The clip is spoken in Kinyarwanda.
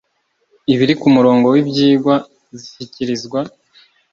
ibiri ku murongo w ibyigwa zishyikirizwa